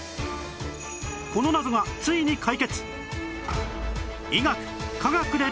この謎がついに解決！